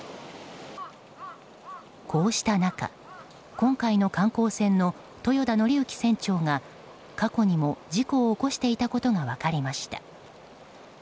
こうした中今回の観光船の豊田徳幸船長が過去にも、事故を起こしていたことが分かりました。